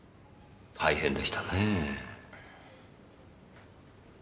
大変でしたねぇ。